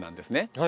はい。